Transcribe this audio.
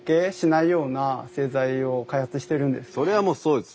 それはもうそうですよね。